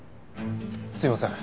すいません。